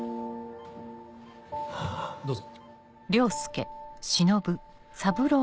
どうぞ。